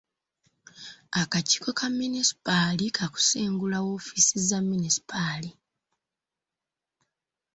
Akakiiko ka munisipaali kaakusengula woofiisi za munisipaali.